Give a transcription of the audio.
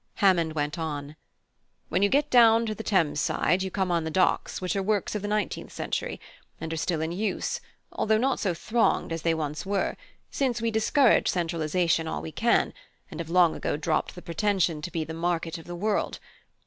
Hammond went on: "When you get down to the Thames side you come on the Docks, which are works of the nineteenth century, and are still in use, although not so thronged as they once were, since we discourage centralisation all we can, and we have long ago dropped the pretension to be the market of the world.